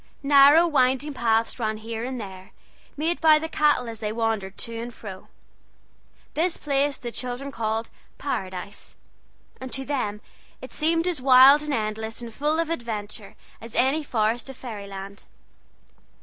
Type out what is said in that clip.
Narrow, winding paths ran here and there, made by the cattle as they wandered to and fro. This place the children called "Paradise," and to them it seemed as wide and endless and full of adventure as any forest of fairy land.